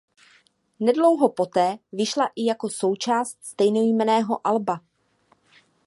Nedlouho poté vyšla i jako součást stejnojmenného alba.